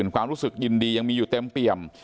ความรู้สึกยินดียังมีอยู่เต็มเปี่ยม